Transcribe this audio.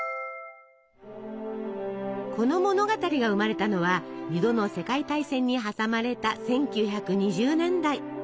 この物語が生まれたのは２度の世界大戦に挟まれた１９２０年代。